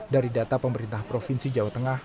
dari data pemerintah provinsi jawa tengah